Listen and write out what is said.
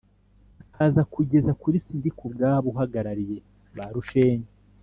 akaza kugeza kuri Sindikubwabo uhagarariye ba Rushenyi